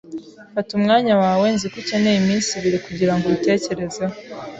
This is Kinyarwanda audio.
Fata umwanya wawe. Nzi ko ukeneye iminsi ibiri kugirango ubitekerezeho.